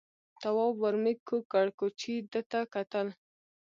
تواب ور مېږ کوږ کړ، کوچي ده ته کتل.